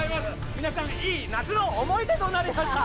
皆さんいい夏の思い出となりました